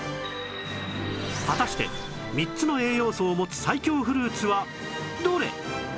果たして３つの栄養素を持つ最強フルーツはどれ？